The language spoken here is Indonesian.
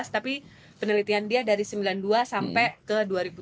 tapi penelitian dia dari seribu sembilan ratus sembilan puluh dua sampai ke dua ribu tiga belas